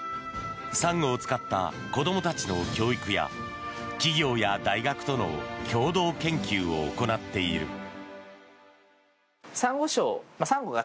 サンゴを使った子どもたちの教育や企業や大学との共同研究を行っている。